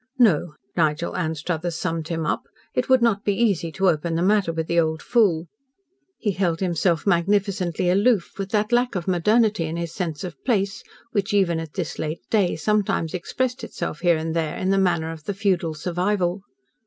No, Nigel Anstruthers summed him up, it would not be easy to open the matter with the old fool. He held himself magnificently aloof, with that lack of modernity in his sense of place which, even at this late day, sometimes expressed itself here and there in the manner of the feudal survival.